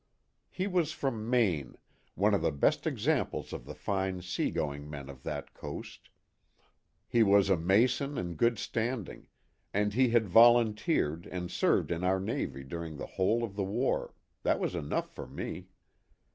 He was from Maine, one of the best examples of the fine sea going men of that coast. He THE HAT OF THE POSTMASTER. 151 was a Mason in good standing. And he had volunteered and served in our Navy during the whole of the war that was enough for me.